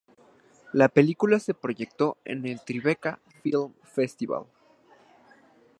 La película se proyectó en el Tribeca Film Festival.